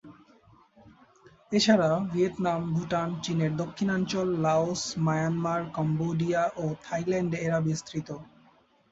এছাড়া ভিয়েতনাম, ভুটান, চীনের দক্ষিণাঞ্চল, লাওস, মায়ানমার, কম্বোডিয়া ও থাইল্যান্ডে এরা বিস্তৃত।